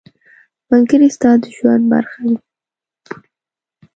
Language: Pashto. ملګری ستا د ژوند برخه وي.